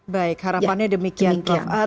baik harapannya demikian prof